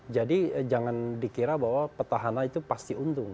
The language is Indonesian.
jadi jangan dikira bahwa petahanan itu pasti untung